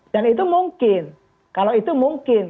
dan itu mungkin kalau itu mungkin